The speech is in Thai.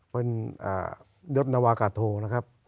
เป็นยศนวากาโทนะครับ